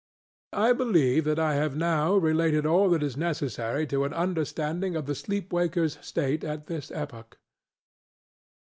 I believe that I have now related all that is necessary to an understanding of the sleep wakerŌĆÖs state at this epoch.